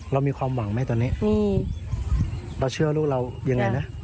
เรามีความหวังไหมตอนนี้เราเชื่อลูกเรายังไงนะ